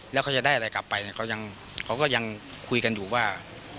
แล้วเขาจะได้อะไรกลับไปเนี่ยเขาก็ยังคุยกันอยู่ว่า